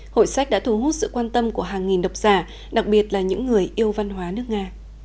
hội sách đã thu hút sự quan tâm của hàng nghìn đọc giả đặc biệt là những người yêu văn hóa nước nga